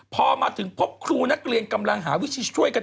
พอมาถึงพบครูนักเรียนกำลังหาวิธีช่วยกัน